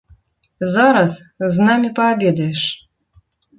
Зараз з намі паабедаеш.